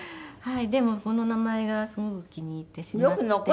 でもこの名前がすごく気に入ってしまって。